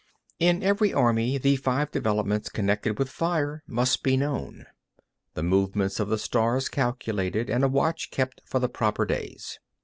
12. In every army, the five developments connected with fire must be known, the movements of the stars calculated, and a watch kept for the proper days.